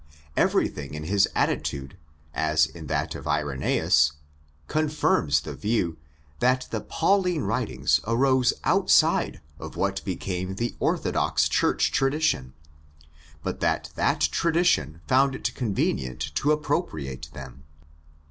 Everything in his attitude, as in that of Irenzus, confirms the view that the Pauline writings arose outside of what became the orthodox Church tradition, but that that tradition found it convenient to appropriate them.